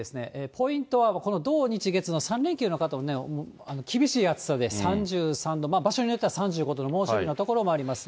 ポイントはこの土日月の３連休の方もね、厳しい暑さで３３度、場所によっては３５度の猛暑日の所もあります。